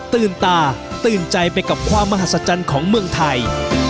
ตื่นตาตื่นใจไปกับความมหัศจรรย์ของเมืองไทย